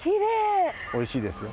おいしいですよ。